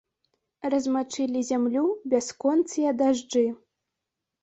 Размачылі зямлю бясконцыя дажджы.